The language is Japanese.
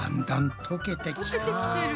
とけてきてる。